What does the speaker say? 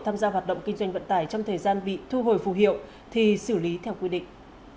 tham gia hoạt động kinh doanh vận tải trong thời gian bị thu hồi phù hiệu thì xử lý theo quy định